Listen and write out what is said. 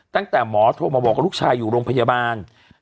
ตั้งแต่หมอโทรมาบอกว่าลูกชายอยู่โรงพยาบาล